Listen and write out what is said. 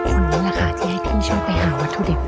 อันนี้แหละค่ะที่ให้พี่ช้องไปหาวัตถุเด็ก